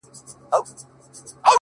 ما د وحشت په زمانه کي زندگې کړې ده؛